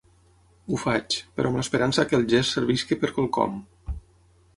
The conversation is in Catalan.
Ho faig, però, amb l'esperança que el gest serveixi per quelcom.